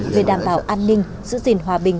về đảm bảo an ninh giữ gìn hòa bình